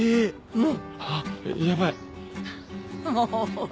うん？